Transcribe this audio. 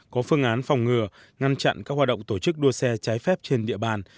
có phương án phòng ngừa ngăn chặn các hoạt động tổ chức đua xe trái phép trên địa bàn